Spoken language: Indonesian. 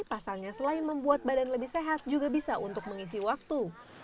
pasalnya selain membuat badan lebih sehat juga bisa untuk mengisi waktu